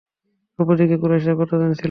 অপরদিকে কুরাইশরা কতজন ছিল?